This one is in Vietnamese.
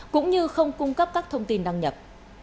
cũng như không cung cấp các thông tin đăng nhập